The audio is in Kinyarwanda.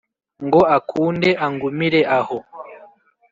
Ngo akunde angumire aho